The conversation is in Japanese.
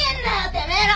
てめえら！